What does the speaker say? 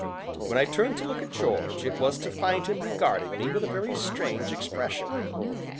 When I turned to look at George, it was to find him regarding me with a very strange expression.